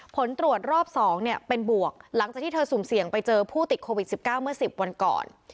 ผลตรวจรอบ๒เป็นบวกหลังจากที่เธอสุ่มเสี่ยงไปเจอผู้ติดโควิด๑๙เมื่อ๑๐วันก่อน